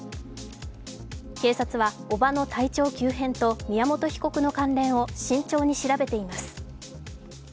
警察は叔母の体調急変と宮本被告の関連を慎重に調べています。